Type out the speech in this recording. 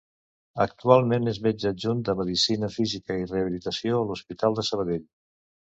Actualment és metge adjunt de Medicina Física i Rehabilitació a l'Hospital de Sabadell.